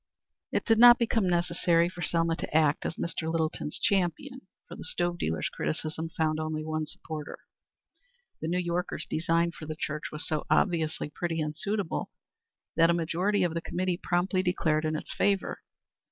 It did not become necessary for Selma to act as Mr. Littleton's champion, for the stove dealer's criticism found only one supporter. The New Yorker's design for the church was so obviously pretty and suitable that a majority of the Committee promptly declared in its favor.